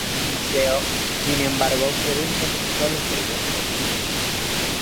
El Museo, sin embargo, quedó entonces solo en proyecto.